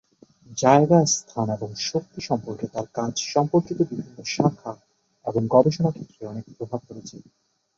জায়গা, স্থান এবং শক্তি সম্পর্কে তাঁর কাজ সম্পর্কিত বিভিন্ন শাখা এবং গবেষণা ক্ষেত্রে অনেক প্রভাব ফেলেছে।